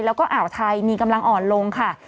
แล้วก็อ่าวไทยมีกำลังอ่อนลงค่ะ